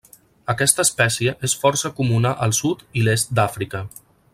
Aquesta espècie és força comuna al sud i l'est d'Àfrica.